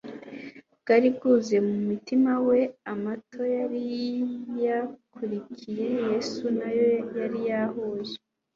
bwari bwuzuye mu mutima we. Amato yari yakurikiye Yesu na yo yari yahuye